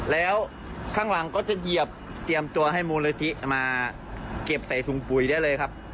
แล้วข้างหลังก็จะเหยียบเตรียมตัวให้มูลนิธิมาเก็บใส่ถุงปุ๋ยได้เลยครับ